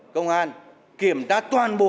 công an kiểm tra toàn bộ